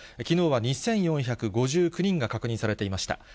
きのうは２４５９人が確認されていました。